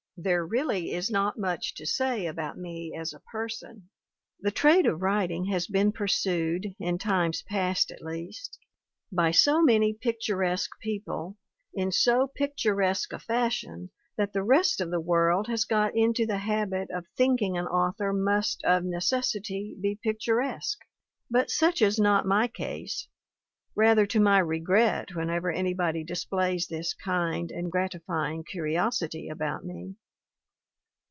There really is not much to say about me as a person. The trade of writing has been pursued in times past, at least by so many picturesque people in so picturesque a fashion that the rest of the world has got into the habit of thinking an author must of necessity be picturesque; but such is not my case, rather to my regret whenever anybody displays this kind and gratifying curiosity about me.